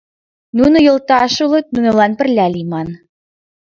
— Нуно йолташ улыт, нунылан пырля лийман».